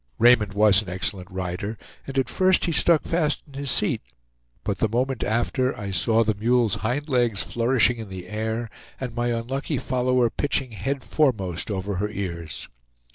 Raymond was an excellent rider, and at first he stuck fast in his seat; but the moment after, I saw the mule's hind legs flourishing in the air, and my unlucky follower pitching head foremost over her ears.